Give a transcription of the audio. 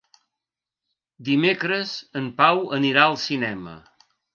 Dimecres en Pau anirà al cinema.